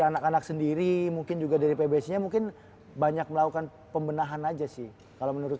anak anak sendiri mungkin juga dari pbsi nya mungkin banyak melakukan pembenahan aja sih kalau menurut